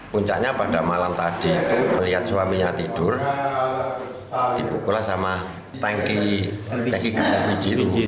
puncanya pada malam tadi itu melihat suaminya tidur dibukul sama tanki tanki keras hpg